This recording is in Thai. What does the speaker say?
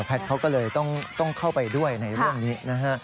แพทย์เขาก็เลยต้องเข้าไปด้วยในเรื่องนี้นะครับ